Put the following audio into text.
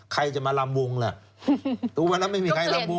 ใครจะมาลำวงล่ะทุกวันนั้นไม่มีใครลำวงกันแล้ว